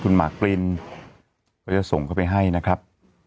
คุณหมากปรินก็จะส่งเข้าไปให้นะครับ